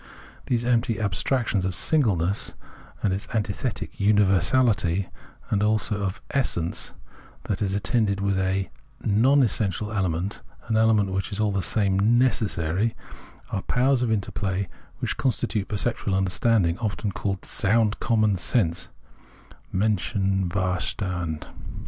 These empty abstractions of " singleness " and its antithetic " universahty," as also of " essence," that is attended with a " non essential " element, an element which is all the same " necessary," are powers the interplay of which constitutes perceptual understanding, often called " sound common sense " {Menschenver stand).